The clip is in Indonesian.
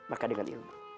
maka dengan ilmu